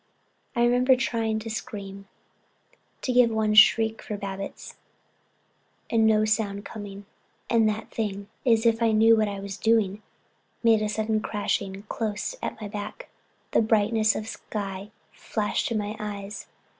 I remember trying to scream, to give one shriek for Babbitts, and no sound coming, and that the thing, as if it knew what I was doing, made a sudden crashing close at my back. The brightness of the sky flashed in my eyes.